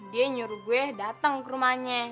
dia nyuruh gue datang ke rumahnya